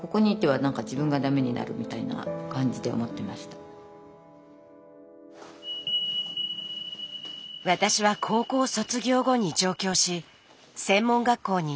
私は高校卒業後に上京し専門学校に入学。